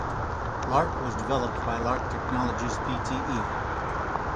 Lark was developed by Lark Technologies Pte.